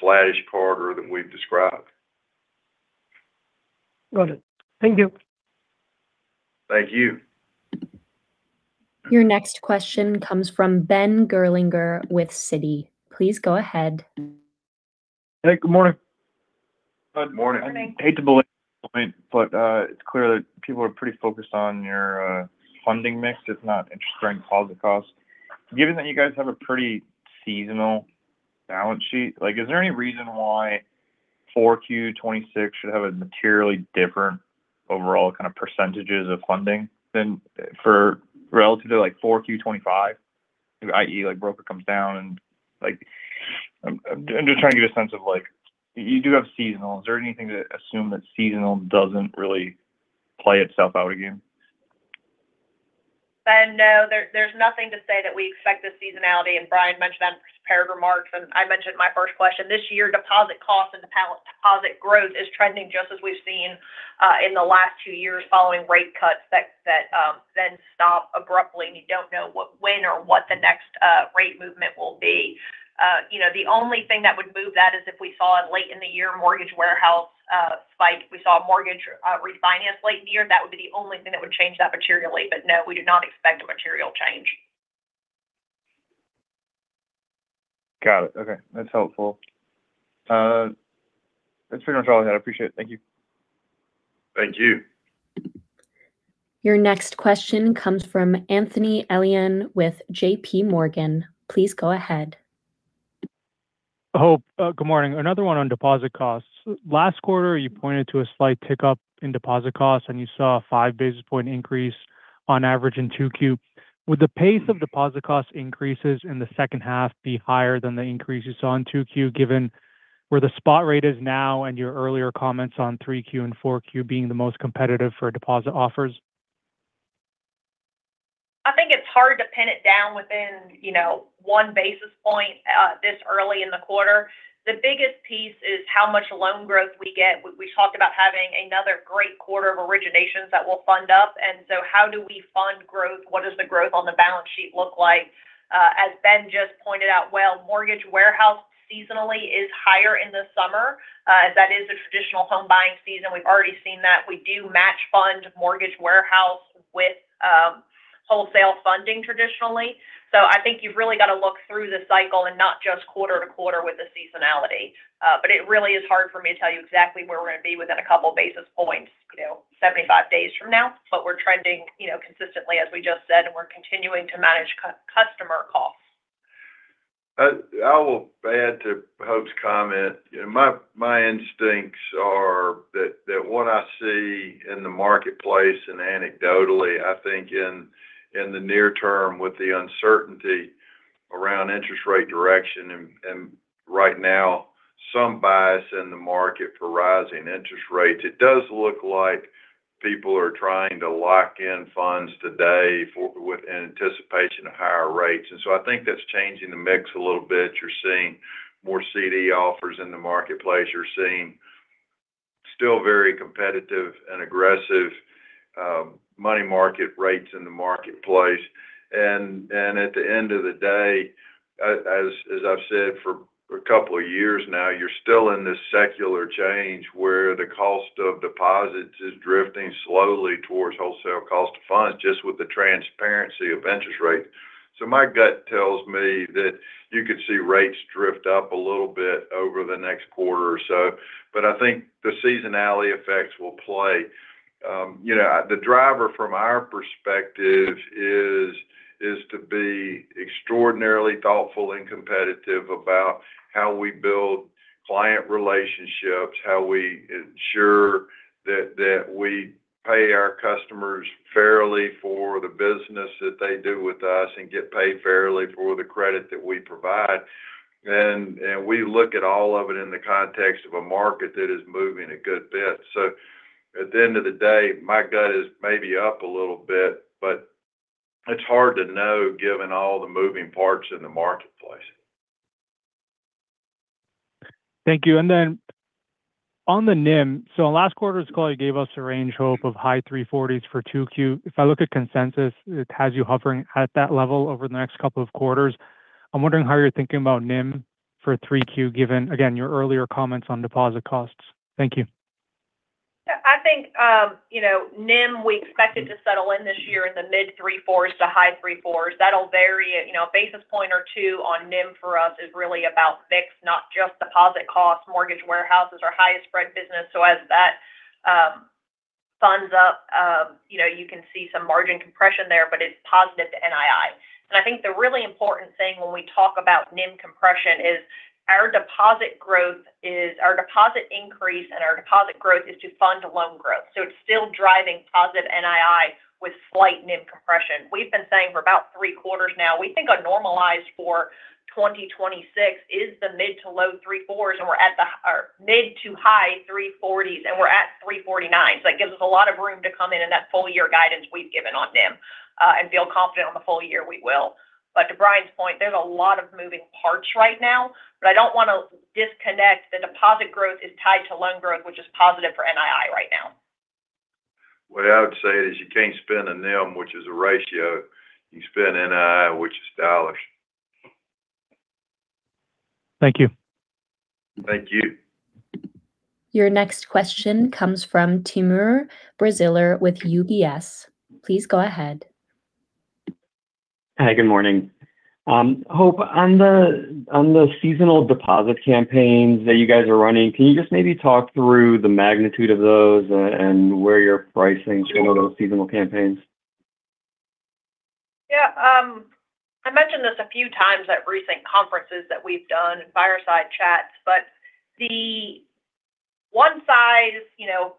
flattish corridor that we've described. Got it. Thank you. Thank you. Your next question comes from Ben Gerlinger with Citi. Please go ahead. Hey, good morning. Good morning. Good morning. I hate to belabor the point, it's clear that people are pretty focused on your funding mix, if not interest during deposit costs. Given that you guys have a pretty seasonal balance sheet, is there any reason why 4Q 2026 should have a materially different overall percentages of funding than for relative to 4Q 2025? I.e., broker comes down. I'm just trying to get a sense of you do have seasonal. Is there anything to assume that seasonal doesn't really play itself out again? Ben, no. There's nothing to say that we expect the seasonality, and Bryan mentioned that in his prepared remarks, and I mentioned in my first question. This year, deposit costs and deposit growth is trending just as we've seen in the last two years following rate cuts that then stop abruptly, and you don't know when or what the next rate movement will be. The only thing that would move that is if we saw a late in the year mortgage warehouse spike. If we saw a mortgage refinance late in the year, that would be the only thing that would change that materially. No, we do not expect a material change. Got it. Okay. That's helpful. That's pretty much all I had. I appreciate it. Thank you. Thank you. Your next question comes from Anthony Elian with J.P. Morgan. Please go ahead. Hope, good morning. Another one on deposit costs. Last quarter, you pointed to a slight tick up in deposit costs, and you saw a five basis point increase on average in 2Q. Would the pace of deposit cost increases in the second half be higher than the increases saw in 2Q, given where the spot rate is now and your earlier comments on 3Q and 4Q being the most competitive for deposit offers? I think it's hard to pin it down within one basis point this early in the quarter. The biggest piece is how much loan growth we get. We talked about having another great quarter of originations that we'll fund up. How do we fund growth? What does the growth on the balance sheet look like? As Ben just pointed out well, mortgage warehouse seasonally is higher in the summer. That is a traditional home buying season. We've already seen that. We do match fund mortgage warehouse with wholesale funding traditionally. I think you've really got to look through the cycle and not just quarter-to-quarter with the seasonality. It really is hard for me to tell you exactly where we're going to be within a couple basis points 75 days from now. We're trending consistently, as we just said, and we're continuing to manage customer costs. I will add to Hope's comment. My instincts are that what I see in the marketplace, and anecdotally, I think in the near term with the uncertainty around interest rate direction and right now some bias in the market for rising interest rates, it does look like people are trying to lock in funds today in anticipation of higher rates. I think that's changing the mix a little bit. You're seeing more CD offers in the marketplace. You're seeing still very competitive and aggressive money market rates in the marketplace. At the end of the day, as I've said for a couple of years now, you're still in this secular change where the cost of deposits is drifting slowly towards wholesale cost of funds, just with the transparency of interest rates. My gut tells me that you could see rates drift up a little bit over the next quarter or so. I think the seasonality effects will play. The driver from our perspective is to be extraordinarily thoughtful and competitive about how we build client relationships, how we ensure that we pay our customers fairly for the business that they do with us, and get paid fairly for the credit that we provide. We look at all of it in the context of a market that is moving a good bit. At the end of the day, my gut is maybe up a little bit. It's hard to know given all the moving parts in the marketplace. Thank you. On the NIM, in last quarter's call, you gave us a range, Hope, of high 340s for 2Q. If I look at consensus, it has you hovering at that level over the next couple of quarters. I'm wondering how you're thinking about NIM for 3Q, given, again, your earlier comments on deposit costs. Thank you. NIM, we expect it to settle in this year in the mid 3.4s to high 3.4s. That'll vary. A basis point or two on NIM for us is really about fixed, not just deposit costs. Mortgage warehouses are highest spread business. As that funds up, you can see some margin compression there, but it's positive to NII. I think the really important thing when we talk about NIM compression is our deposit increase and our deposit growth is to fund loan growth. It's still driving positive NII with slight NIM compression. We've been saying for about three quarters now, we think a normalized for 2026 is the mid to high 340s, and we're at 349. That gives us a lot of room to come in that full year guidance we've given on NIM, and feel confident on the full year we will. To Bryan's point, there's a lot of moving parts right now, I don't want to disconnect. The deposit growth is tied to loan growth, which is positive for NII right now. What I would say is you can't spend a NIM, which is a ratio. You spend NII, which is dollars. Thank you. Thank you. Your next question comes from Timur Braziler with UBS. Please go ahead. Hi, good morning. Hope, on the seasonal deposit campaigns that you guys are running, can you just maybe talk through the magnitude of those and where you're pricing some of those seasonal campaigns? I mentioned this a few times at recent conferences that we've done and fireside chats, the one size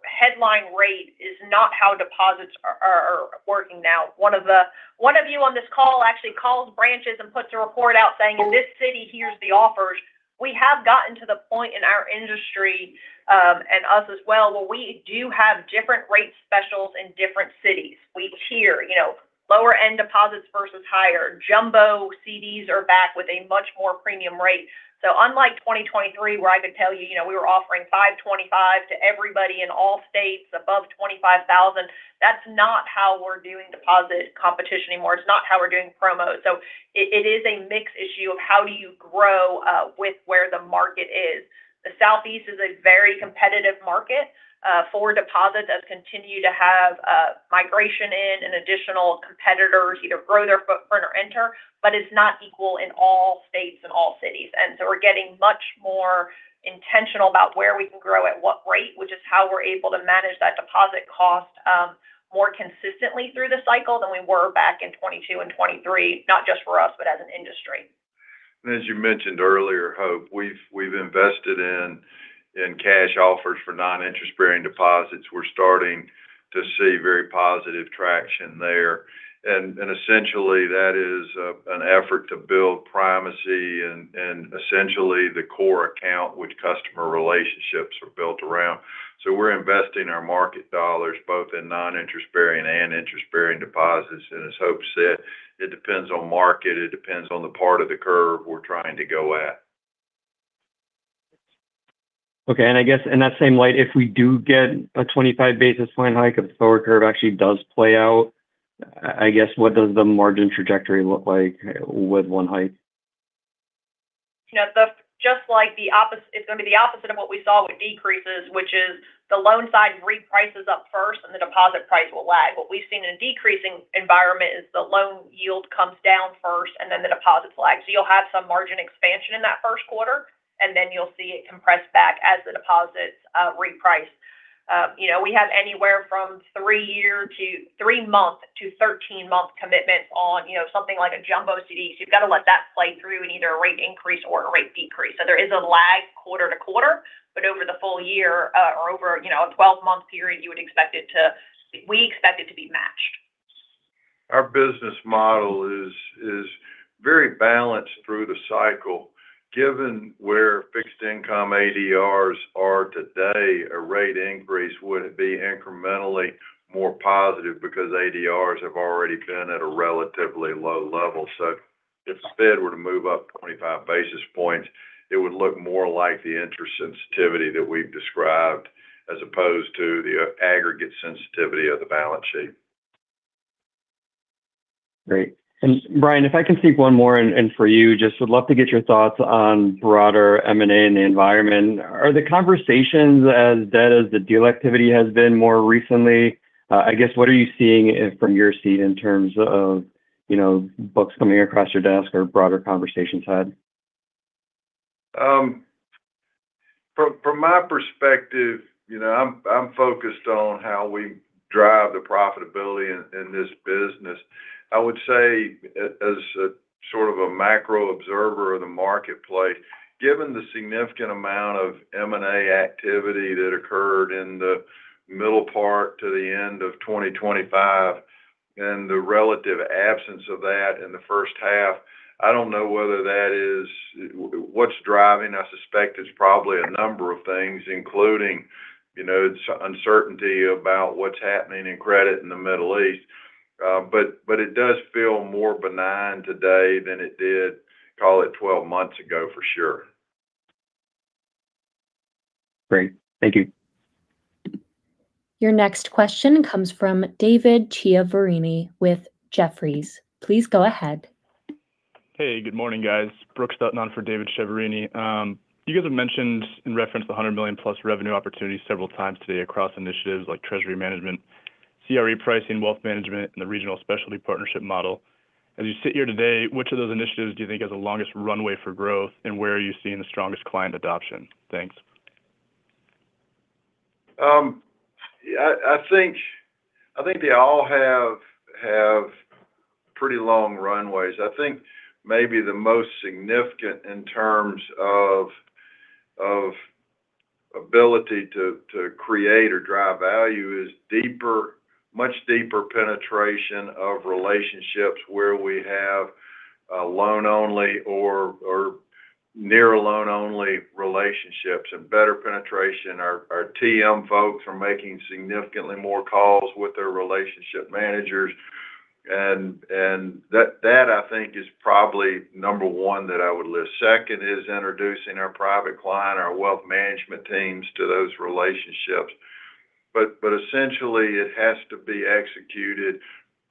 headline rate is not how deposits are working now. One of you on this call actually calls branches and puts a report out saying, in this city, here's the offers. We have gotten to the point in our industry, and us as well, where we do have different rate specials in different cities. We tier lower end deposits versus higher. Jumbo CDs are back with a much more premium rate. Unlike 2023, where I could tell you we were offering 5.25% to everybody in all states above $25,000, that's not how we're doing deposit competition anymore. It's not how we're doing promos. It is a mix issue of how do you grow with where the market is. The Southeast is a very competitive market for deposits that continue to have migration in and additional competitors either grow their footprint or enter, it's not equal in all states and all cities. We're getting much more intentional about where we can grow at what rate, which is how we're able to manage that deposit cost more consistently through the cycle than we were back in 2022 and 2023, not just for us, but as an industry. As you mentioned earlier, Hope, we've invested in cash offers for non-interest-bearing deposits. We're starting to see very positive traction there. Essentially that is an effort to build primacy and essentially the core account which customer relationships are built around. We're investing our market dollars both in non-interest-bearing and interest-bearing deposits. As Hope said, it depends on market, it depends on the part of the curve we're trying to go at. I guess in that same light, if we do get a 25 basis point hike, if the forward curve actually does play out, I guess what does the margin trajectory look like with one hike? It's going to be the opposite of what we saw with decreases, which is the loan side reprices up first and the deposit price will lag. What we've seen in a decreasing environment is the loan yield comes down first and then the deposits lag. You'll have some margin expansion in that first quarter, and then you'll see it compress back as the deposits reprice. We have anywhere from three month to 13 month commitments on something like a jumbo CD. You've got to let that play through in either a rate increase or a rate decrease. There is a lag quarter to quarter, but over the full year or over a 12-month period, we expect it to be matched. Our business model is very balanced through the cycle. Given where fixed income ADRs are today, a rate increase would be incrementally more positive because ADRs have already been at a relatively low level. If the Fed were to move up 25 basis points, it would look more like the interest sensitivity that we've described as opposed to the aggregate sensitivity of the balance sheet. Great. Bryan, if I can sneak one more in for you. Would love to get your thoughts on broader M&A in the environment. Are the conversations as dead as the deal activity has been more recently? What are you seeing from your seat in terms of books coming across your desk or broader conversations had? From my perspective, I'm focused on how we drive the profitability in this business. I would say as a sort of a macro observer of the marketplace, given the significant amount of M&A activity that occurred in the middle part to the end of 2025 and the relative absence of that in the first half, I don't know what's driving. I suspect it's probably a number of things, including uncertainty about what's happening in credit in the Middle East. It does feel more benign today than it did, call it 12 months ago, for sure. Great. Thank you. Your next question comes from David Chiaverini with Jefferies. Please go ahead. Hey, good morning, guys. Brooke stepping on for David Chiaverini. You guys have mentioned in reference to the $100+ million revenue opportunities several times today across initiatives like treasury management, CRE pricing, wealth management, and the regional specialty partnership model. As you sit here today, which of those initiatives do you think has the longest runway for growth, and where are you seeing the strongest client adoption? Thanks. I think they all have pretty long runways. I think maybe the most significant in terms of ability to create or drive value is much deeper penetration of relationships where we have loan-only or near loan-only relationships and better penetration. Our TM folks are making significantly more calls with their relationship managers, and that, I think, is probably number one that I would list. Second is introducing our private client, our wealth management teams to those relationships. Essentially, it has to be executed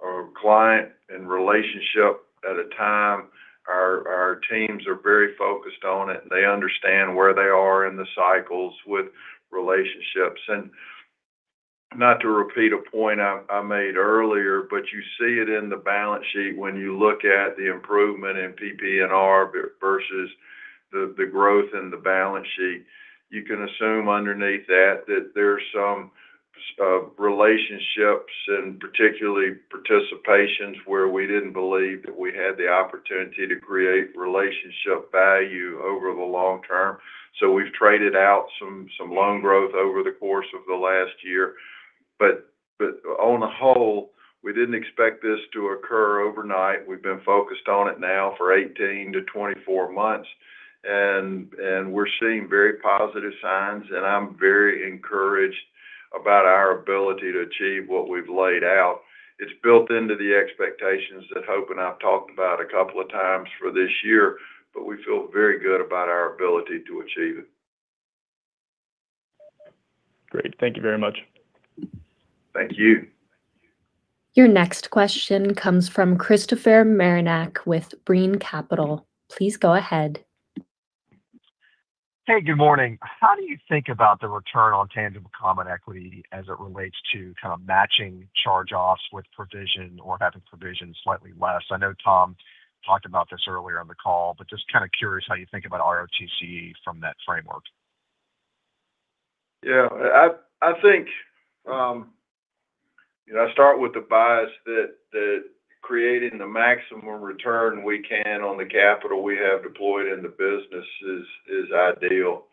a client and relationship at a time. Our teams are very focused on it. They understand where they are in the cycles with relationships. Not to repeat a point I made earlier, but you see it in the balance sheet when you look at the improvement in PPNR versus the growth in the balance sheet. You can assume underneath that there's some relationships and particularly participations where we didn't believe that we had the opportunity to create relationship value over the long term. We've traded out some loan growth over the course of the last year. On the whole, we didn't expect this to occur overnight. We've been focused on it now for 18-24 months, and we're seeing very positive signs, and I'm very encouraged about our ability to achieve what we've laid out. It's built into the expectations that Hope and I have talked about a couple of times for this year, but we feel very good about our ability to achieve it. Great. Thank you very much. Thank you. Your next question comes from Christopher Marinac with Brean Capital. Please go ahead. Hey, good morning. How do you think about the return on tangible common equity as it relates to kind of matching charge-offs with provision or having provision slightly less? I know Tom talked about this earlier on the call, but just kind of curious how you think about ROTCE from that framework. Yeah. I start with the bias that creating the maximum return we can on the capital we have deployed in the business is ideal.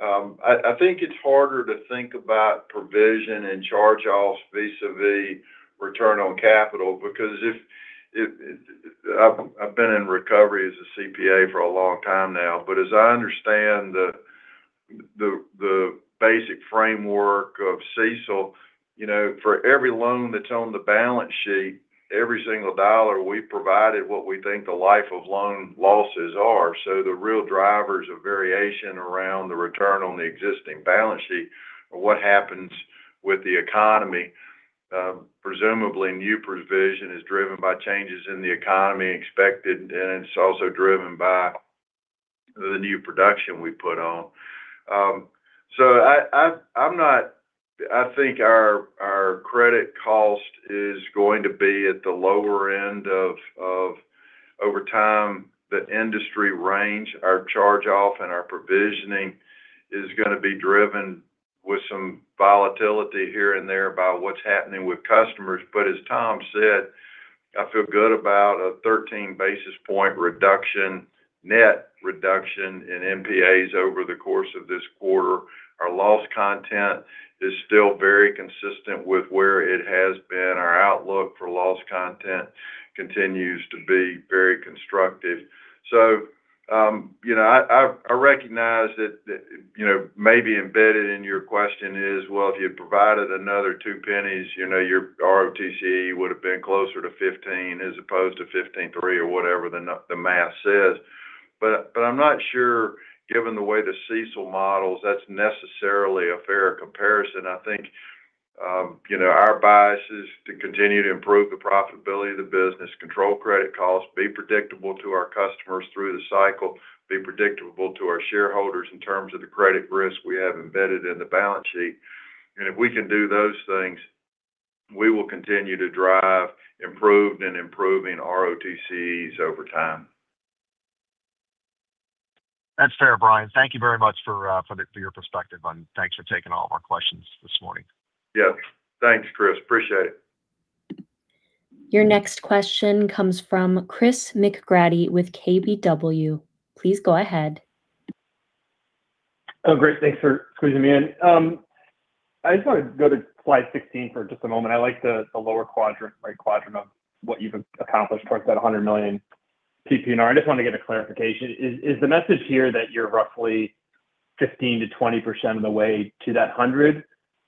I think it's harder to think about provision and charge-offs vis-a-vis return on capital because I've been in recovery as a CPA for a long time now. As I understand the basic framework of CECL, for every loan that's on the balance sheet, every single dollar we've provided what we think the life of loan losses are. The real drivers of variation around the return on the existing balance sheet are what happens with the economy. Presumably, new provision is driven by changes in the economy expected, it's also driven by the new production we put on. I think our credit cost is going to be at the lower end of Over time, the industry range, our charge-off and our provisioning is going to be driven with some volatility here and there by what's happening with customers. As Tom said, I feel good about a 13 basis point reduction, net reduction in NPAs over the course of this quarter. Our loss content is still very consistent with where it has been. Our outlook for loss content continues to be very constructive. I recognize that maybe embedded in your question is, well, if you had provided another $0.02, your ROTCE would've been closer to 15 as opposed to 15.3 or whatever the math says. I'm not sure, given the way the CECL models, that's necessarily a fair comparison. I think our bias is to continue to improve the profitability of the business, control credit costs, be predictable to our customers through the cycle, be predictable to our shareholders in terms of the credit risk we have embedded in the balance sheet. If we can do those things, we will continue to drive improved and improving ROTCEs over time. That's fair, Bryan. Thank you very much for your perspective on. Thanks for taking all of our questions this morning. Yes. Thanks, Chris. Appreciate it. Your next question comes from Chris McGratty with KBW. Please go ahead. Great. Thanks for squeezing me in. I just want to go to slide 16 for just a moment. I like the lower quadrant, right quadrant of what you've accomplished towards that $100 million PPNR. I just wanted to get a clarification. Is the message here that you're roughly 15%-20% of the way to that $100?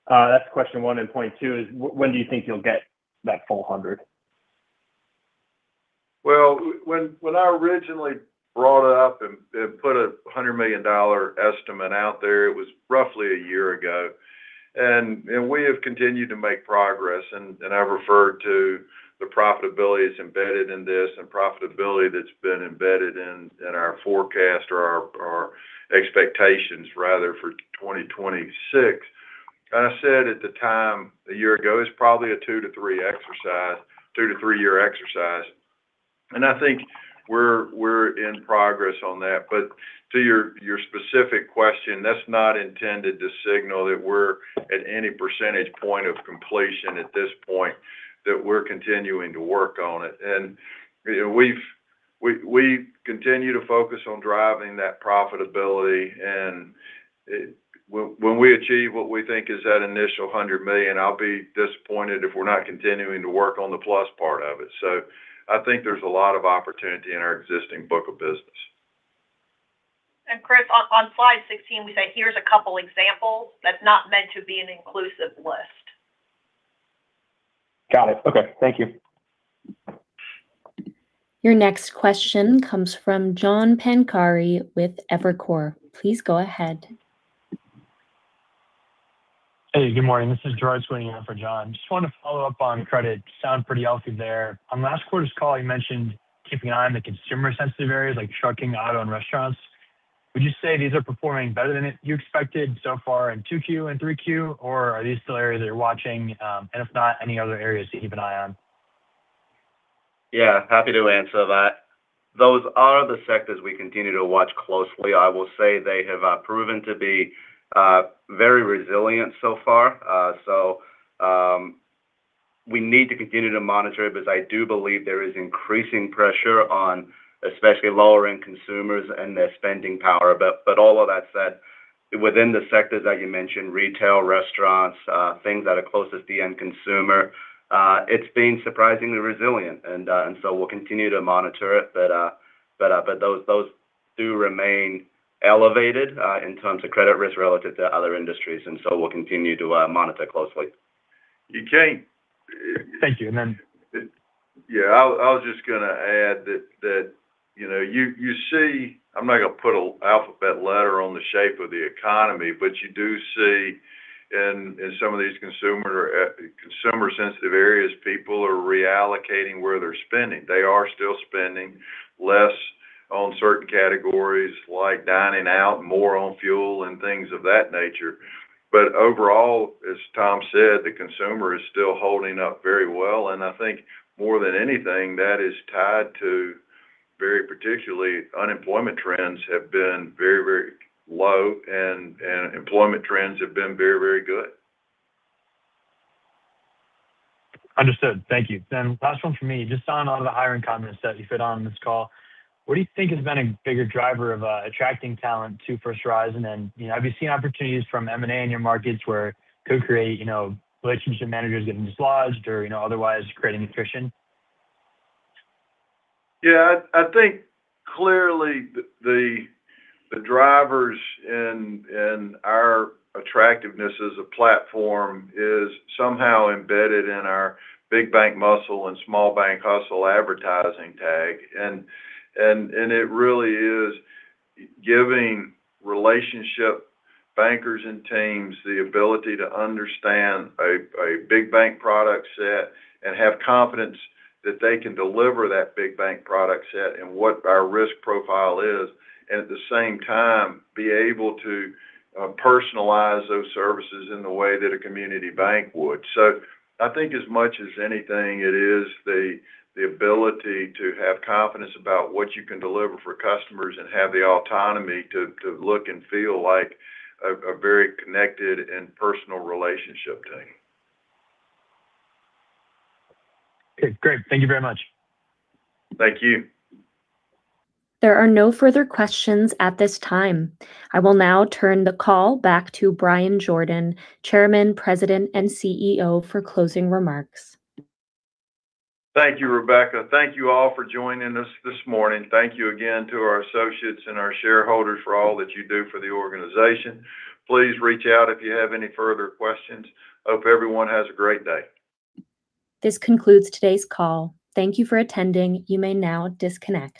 That's question one. Point two is, when do you think you'll get that full $100? When I originally brought up and put a $100 million estimate out there, it was roughly a year ago. We have continued to make progress, and I've referred to the profitability that's embedded in this and profitability that's been embedded in our forecast or our expectations rather for 2026. I said at the time, a year ago, it's probably a two to three year exercise, and I think we're in progress on that. To your specific question, that's not intended to signal that we're at any percentage point of completion at this point, that we're continuing to work on it. We continue to focus on driving that profitability, and when we achieve what we think is that initial $100 million, I'll be disappointed if we're not continuing to work on the plus part of it. I think there's a lot of opportunity in our existing book of business. Chris, on slide 16, we say, here's a couple examples. That's not meant to be an inclusive list. Got it. Okay. Thank you. Your next question comes from John Pancari with Evercore. Please go ahead. Hey, good morning. This is Girard Sweeney in for John. Just wanted to follow up on credit. Sound pretty healthy there. On last quarter's call, you mentioned keeping an eye on the consumer sensitive areas like trucking, auto, and restaurants. Would you say these are performing better than you expected so far in Q2 and Q3, or are these still areas that you're watching? If not, any other areas to keep an eye on? Yeah, happy to answer that. Those are the sectors we continue to watch closely. I will say they have proven to be very resilient so far. We need to continue to monitor it because I do believe there is increasing pressure on especially lower end consumers and their spending power. All of that said, within the sectors that you mentioned, retail, restaurants, things that are close to the end consumer, it's been surprisingly resilient. We'll continue to monitor it, but those do remain elevated, in terms of credit risk relative to other industries. We'll continue to monitor closely. You can- Thank you. I was just going to add that you see, I'm not going to put an alphabet letter on the shape of the economy, you do see in some of these consumer sensitive areas, people are reallocating where they're spending. They are still spending less on certain categories like dining out, more on fuel and things of that nature. Overall, as Tom said, the consumer is still holding up very well, and I think more than anything, that is tied to very particularly unemployment trends have been very low and employment trends have been very good. Understood. Thank you. Last one from me. Just signing off of the hiring confidence that you hit on in this call, what do you think has been a bigger driver of attracting talent to First Horizon? Have you seen opportunities from M&A in your markets where it could create Relationship Managers getting dislodged or otherwise creating attrition? I think clearly the drivers in our attractiveness as a platform is somehow embedded in our big bank muscle and small bank hustle advertising tag. It really is giving relationship bankers and teams the ability to understand a big bank product set and have confidence that they can deliver that big bank product set and what our risk profile is. At the same time, be able to personalize those services in the way that a community bank would. I think as much as anything, it is the ability to have confidence about what you can deliver for customers and have the autonomy to look and feel like a very connected and personal relationship team. Okay, great. Thank you very much. Thank you. There are no further questions at this time. I will now turn the call back to Bryan Jordan, Chairman, President, and CEO, for closing remarks. Thank you, Rebecca. Thank you all for joining us this morning. Thank you again to our associates and our shareholders for all that you do for the organization. Please reach out if you have any further questions. Hope everyone has a great day. This concludes today's call. Thank you for attending. You may now disconnect.